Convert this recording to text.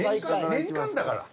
年間だから。